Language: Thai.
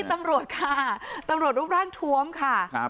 นี่ตำรวจค่ะตำรวจรูปร่างทวมค่ะ